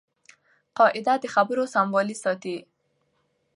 قاعده د خبرو سموالی ساتي.